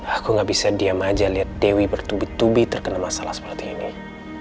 aku gak bisa diam aja lihat dewi bertubi tubi terkena masalah seperti ini